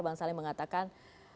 bang saleh mengatakan